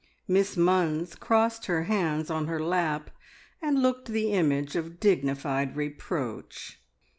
Miss Munns crossed her hands on her lap, and looked the image of dignified reproach.